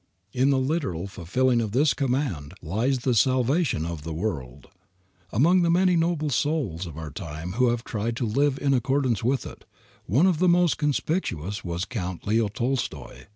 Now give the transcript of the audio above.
In the literal fulfilling of this commandment lies the salvation of the world. Among the many noble souls of our own time who have tried to live in accordance with it, one of the most conspicuous was Count Leo Tolstoy.